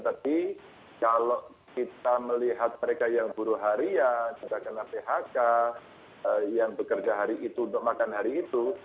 tapi kalau kita melihat mereka yang buruh harian kita kena phk yang bekerja hari itu untuk makan hari itu